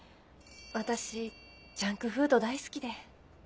私ジャンクフード大好きで。